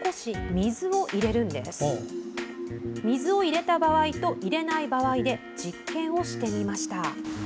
水を入れた場合と入れない場合で実験をしてみました。